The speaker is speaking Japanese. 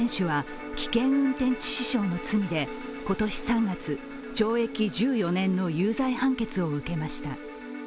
トラック運転手は、危険運転致死傷の罪で今年３月、懲役１４年の有罪判決を受けました。